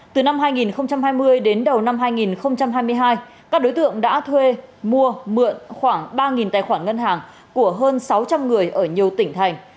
từ năm hai nghìn hai mươi đến đầu năm hai nghìn hai mươi hai các đối tượng đã thuê mua mượn khoảng ba tài khoản ngân hàng của hơn sáu trăm linh người ở nhiều tỉnh thành